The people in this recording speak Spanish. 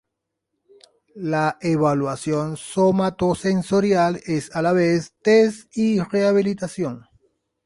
La evaluación somatosensorial es a la vez test y rehabilitación.